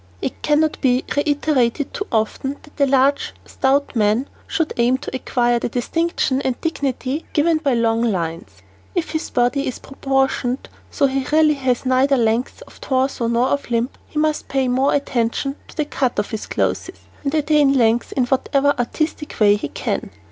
It cannot be reiterated too often that a large, stout man should aim to acquire the distinction and dignity given by long lines. If his body is proportioned so he really has neither length of torso nor of limb he must pay more attention to the cut of his clothes and attain length in whatever artistic way he can.